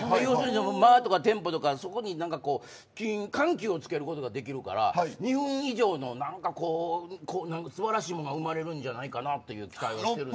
間とかテンポとかそこに緩急をつけることができるから２分以上の素晴らしいものが生まれるんじゃないかなという期待してるんです。